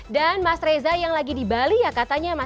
dan mas reza yang lagi di bali ya katanya mas ya